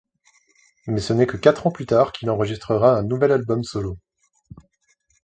Mais ce n'est que quatre ans plus tard qu'il enregistrera un nouvel album solo.